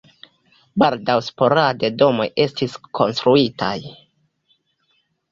Baldaŭ sporade domoj estis konstruitaj.